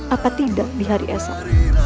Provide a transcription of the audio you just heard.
apa tidak di hari esok